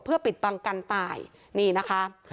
เพื่อปิดบังกันตายนี่นะคะ